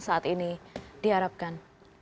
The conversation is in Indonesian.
saat ini diharapkan